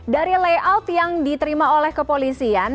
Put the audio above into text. dari layout yang diterima oleh kepolisian